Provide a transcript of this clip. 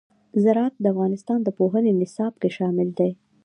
زراعت د افغانستان د پوهنې نصاب کې شامل دي.